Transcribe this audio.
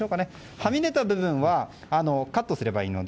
はみ出た部分はカットすればいいので。